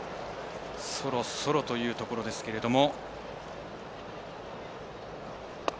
そろそろというところですけれども。